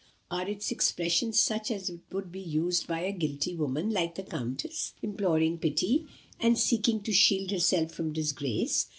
Are its expressions such as would be used by a guilty woman, like the Countess, imploring pity, and seeking to shield herself from disgrace?